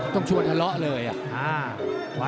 ต้องชวนกำลักเลยอ่ะ